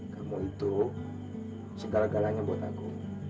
kamu itu segala galanya buat aku